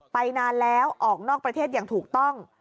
นานแล้วออกนอกประเทศอย่างถูกต้อง